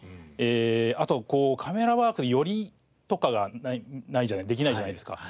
あとカメラワークの寄りとかができないじゃないですか。